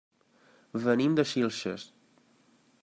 Venim de Xilxes.